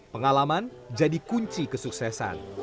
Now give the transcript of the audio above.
pengalaman jadi kunci kesuksesan